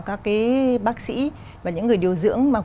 các bác sĩ và những người điều dưỡng